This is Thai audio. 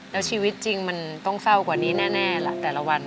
แล้วชีวิตจริงมันต้องเศร้ากว่านี้แน่ล่ะแต่ละวัน